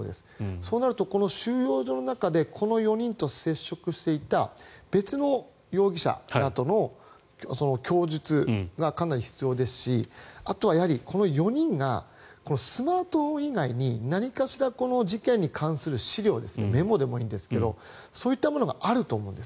そうなると収容所の中でこの４人と接触していた別の容疑者らの供述がかなり必要ですしあとはこの４人がスマートフォン以外に何かしら、事件に関する資料をメモでもいいんですけどそういったものがあると思うんです。